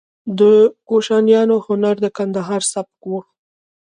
د کوشانیانو هنر د ګندهارا سبک و